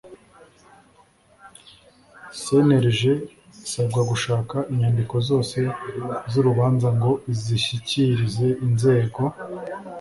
Cnlg isabwa gushaka inyandiko zose z urubanza ngo izishyikirize inzego